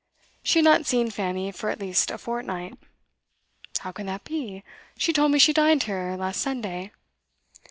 She had not seen Fanny for at least a fortnight. 'How can that be? She told me she dined here last Sunday.